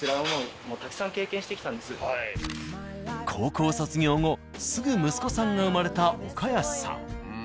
高校卒業後すぐ息子さんが生まれた岡安さん。